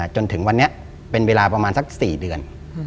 จนถึงวันนี้เป็นเวลาประมาณสัก๔เดือน